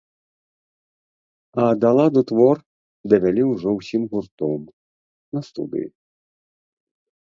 А да ладу твор давялі ўжо ўсім гуртом, на студыі.